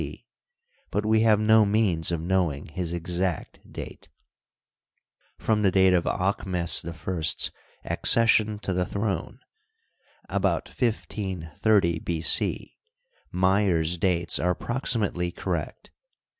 c, but we have no means of knowing his exact date. From the date of Aahmes Ts accession to the throne, about 1 530 B. C, Meyer's dates are approximately correct.